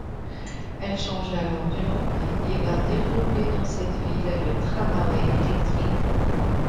Elle change alors de nom et va développer dans cette ville le tramway électrique.